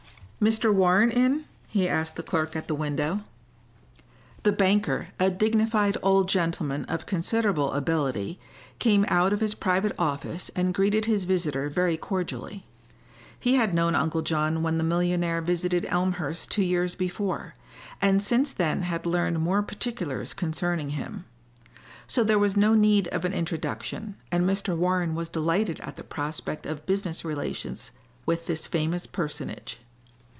"Mr. Warren in?" he asked the clerk at the window. The banker, a dignified old gentleman of considerable ability, came out of his private office and greeted his visitor very cordially. He had known Uncle John when the millionaire visited Elmhurst two years before, and since then had learned more particulars concerning him. So there was no need of an introduction, and Mr. Warren was delighted at the prospect of business relations with this famous personage.